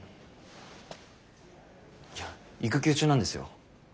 いや育休中なんですよ。